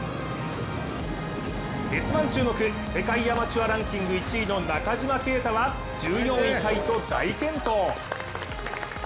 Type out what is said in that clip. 「Ｓ☆１」注目、世界アマチュアランキング１位の中島啓太は１４位タイと大健闘。